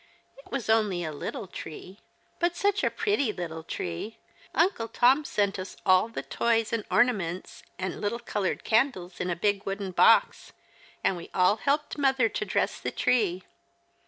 It was only a little tree ; but such a pretty little tree. Uncle 160 The Christmas Hirelings. Tom sent us all tlie toys and ornaments and little coloured candles in a big wooden box ; and we all helped mother to dress the tree.